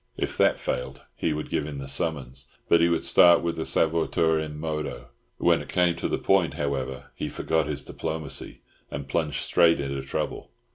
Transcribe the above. If that failed he would give him the summons; but he would start with the suaviter in modo. When it came to the point, however, he forgot his diplomacy, and plunged straight into trouble.